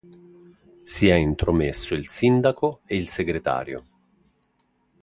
Si è intromesso il Sindaco e il segretario